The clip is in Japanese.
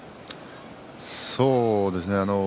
そうですね。